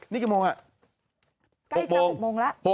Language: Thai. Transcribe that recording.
นี่กี่โมงครับ